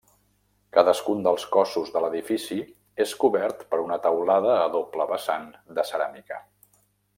Cadascun dels cossos de l'edifici és cobert per una teulada a doble vessant de ceràmica.